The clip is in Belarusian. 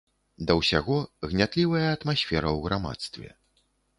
Да ўсяго, гнятлівая атмасфера ў грамадстве.